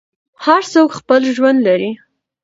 هر څوک خپل ژوند لري.